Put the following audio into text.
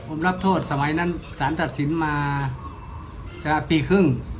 ผมรับโทษสมัยนั้นสารตัดสินมาปีครึ่ง